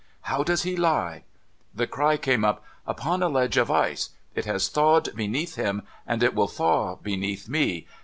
' How does he lie ?' The cry came up :' Upon a ledge of ice. It has thawed beneath him, and it will thaw beneath me.